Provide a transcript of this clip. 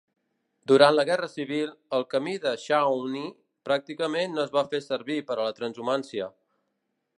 Durant la Guerra Civil, el camí de Shawnee pràcticament no es va fer servir per a la transhumància.